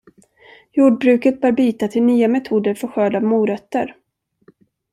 Jordbruket bör byta till nya metoder för skörd av morötter.